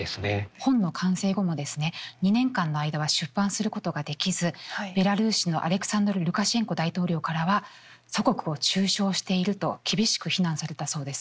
本の完成後もですね２年間の間は出版することができずベラルーシのアレクサンドル・ルカシェンコ大統領からは祖国を中傷していると厳しく非難されたそうです。